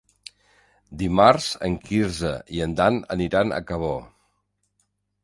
Dimarts en Quirze i en Dan aniran a Cabó.